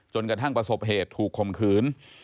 กระทั่งประสบเหตุถูกคมขืน